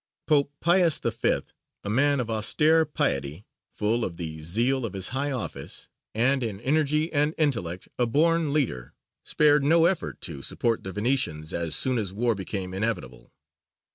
Pope Pius V., a man of austere piety, full of the zeal of his high office, and in energy and intellect a born leader, spared no effort to support the Venetians as soon as war became inevitable.